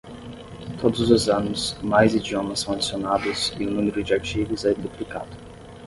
Todos os anos, mais idiomas são adicionados e o número de artigos é duplicado.